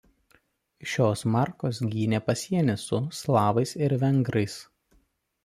Šios markos gynė pasienį su slavais ir vengrais.